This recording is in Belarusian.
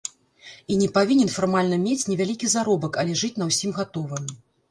І не павінен фармальна мець невялікі заробак, але жыць на ўсім гатовым.